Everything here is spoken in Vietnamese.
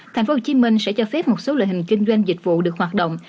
thành phố hồ chí minh sẽ cho phép một số lợi hình kinh doanh dịch vụ được hoạt động